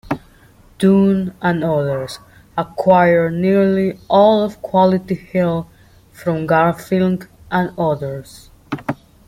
Dunn and others, acquired nearly all of Quality Hill from Garfinkle and others.